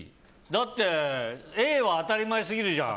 だってＡは当たり前すぎるじゃん。